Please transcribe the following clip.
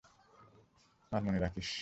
আর মনে রাখিস!